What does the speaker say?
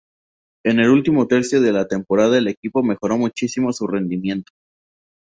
En el último tercio de la temporada el equipo mejoró muchísimo su rendimiento.